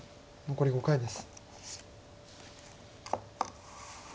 残り５回です。